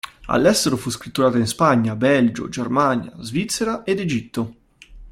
All'estero fu scritturata in Spagna, Belgio, Germania, Svizzera ed Egitto.